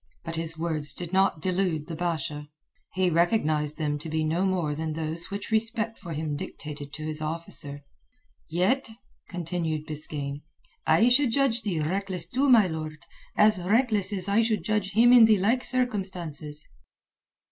But his words did not delude the Basha. He recognized them to be no more than those which respect for him dictated to his officer. "Yet," continued Biskaine, "I should judge thee reckless too, my lord, as reckless as I should judge him in the like circumstances."